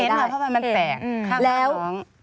เห็นเหรอเพราะว่ามันแตกข้างหลัง